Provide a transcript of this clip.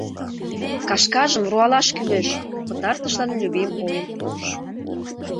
— Кашкажым руалаш кӱлеш! — пытартышлан Любим ойым пуыш.